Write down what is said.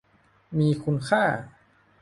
มีคุณค่า